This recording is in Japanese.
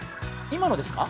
今のですか？